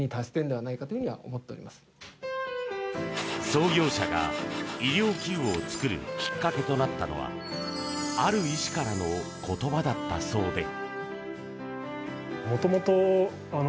創業者が医療器具を作るきっかけとなったのはある医師からの言葉だったそうで。